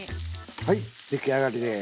はい出来上がりです。